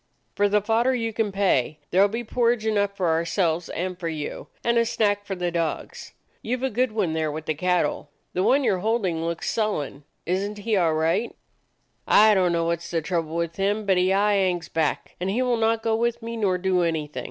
"For the fodder you can pay. There be porridge enough for ourselves and for you, and a snack for the dogs. You 've a good one there with the cattle. The one you 're hold ing looks sullen. Is n't he all right? "I don't know what 's the trouble with him, but he aye hangs back, and he will not go with me nor do anything.